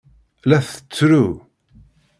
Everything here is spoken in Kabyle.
La tettru.